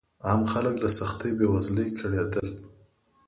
عام خلک له سختې بېوزلۍ کړېدل.